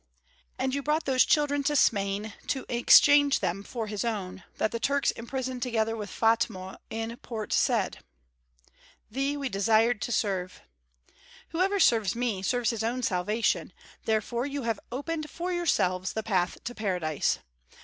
"And you brought those children to Smain to exchange them for his own, that the Turks imprisoned together with Fatma in Port Said." "Thee we desired to serve." "Whoever serves me serves his own salvation; therefore you have opened for yourselves the path to paradise.